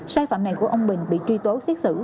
sai phạm này của ông bình bị truy tố xét xử